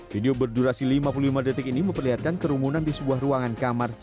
video berdurasi lima puluh lima detik ini memperlihatkan kerumunan di sebuah ruangan kamar